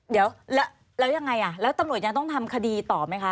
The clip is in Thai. เดี๋ยวแล้วยังไงแล้วตำรวจยังต้องทำคดีต่อไหมคะ